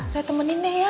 saya temenin neng ya